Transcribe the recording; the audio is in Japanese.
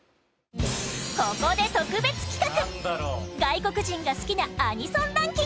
ここで、特別企画！